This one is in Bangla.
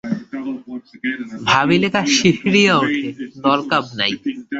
ভাবিলে গা শিহরিয়া ওঠে, দরকাব নাই!